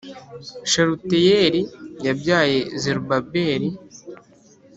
Shalutiyeli yabyaye Zerubabeli,